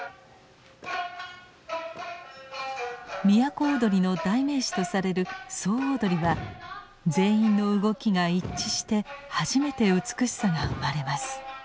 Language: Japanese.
都をどりの代名詞とされる「総をどり」は全員の動きが一致して初めて美しさが生まれます。